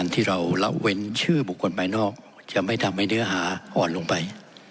ที่เราละเว้นชื่อบุคคลภายนอกจะไม่ทำให้เนื้อหาอ่อนลงไป